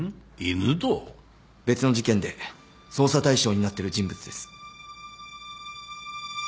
別の事件で捜査対象になってる人物です。